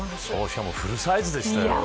しかもフルサイズでしたよ。